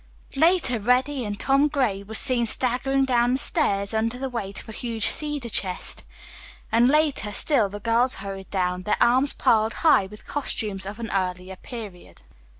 Later Reddy and Tom Gray were seen staggering down the stairs under the weight of a huge cedar chest, and later still the girls hurried down, their arms piled high with costumes of an earlier period.